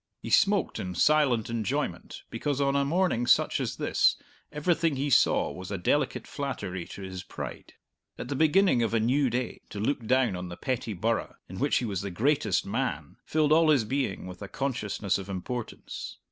He smoked in silent enjoyment because on a morning such as this everything he saw was a delicate flattery to his pride. At the beginning of a new day, to look down on the petty burgh in which he was the greatest man filled all his being with a consciousness of importance.